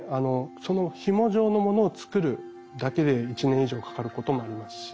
そのひも状のものを作るだけで１年以上かかることもありますし。